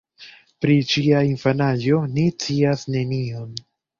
Pri ŝia infanaĝo ni scias nenion.